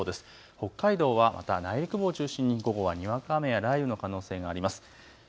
北海道はまた内陸部を中心に午後はにわか雨や雷雨の可能性があります。